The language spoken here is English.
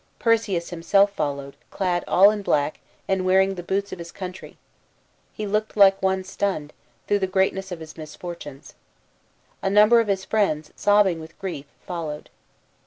Perseus himself followed, clad all in black and "wearing the boots of his country"; he looked like one stunned, through the greatness of his misfortunes. A number of his friends, sobbing with grief, followed.